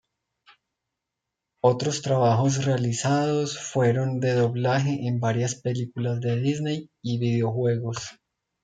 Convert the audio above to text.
Otros trabajos realizados fueron de doblaje en varias películas de Disney y videojuegos.